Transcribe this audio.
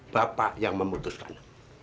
bapak yang memutuskan